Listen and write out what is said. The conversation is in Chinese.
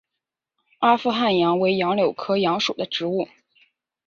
阿富汗杨为杨柳科杨属的植物。